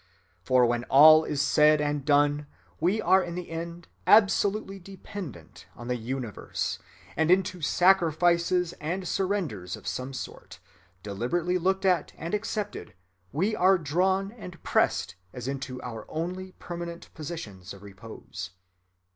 For when all is said and done, we are in the end absolutely dependent on the universe; and into sacrifices and surrenders of some sort, deliberately looked at and accepted, we are drawn and pressed as into our only permanent positions of repose.